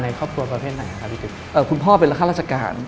ใครจะมีความตาย